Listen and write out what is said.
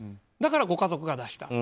だからご家族が出した。